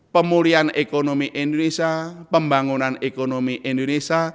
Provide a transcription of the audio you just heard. pemulihan ekonomi indonesia pembangunan ekonomi indonesia